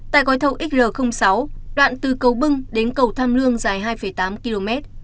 tại gói thầu xr sáu đoạn từ cầu bưng đến cầu tham lương dài hai tám km